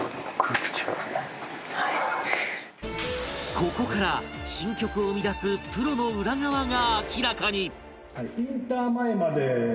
ここから新曲を生み出すプロの裏側が明らかに！